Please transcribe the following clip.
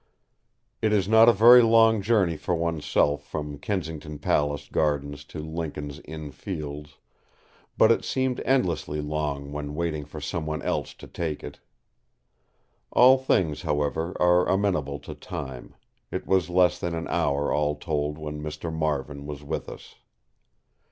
It is not a very long journey for oneself from Kensington Palace Gardens to Lincoln's Inn Fields; but it seemed endlessly long when waiting for someone else to take it. All things, however, are amenable to Time; it was less than an hour all told when Mr. Marvin was with us.